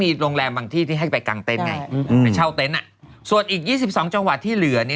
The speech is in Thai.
มีแบตโรงแรมบางที่ให้ไปกางเต้นไงไปเช่าเทนต์อีก๒๒จังหวัดที่เหลือ